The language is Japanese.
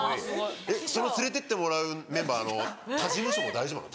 その連れてってもらうメンバー他事務所も大丈夫なの？